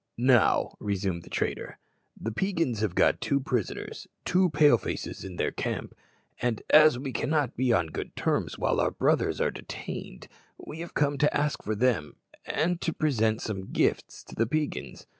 "Now," resumed the trader, "the Peigans have got two prisoners two Pale faces in their camp, and as we cannot be on good terms while our brothers are detained, we have come to ask for them, and to present some gifts to the Peigans."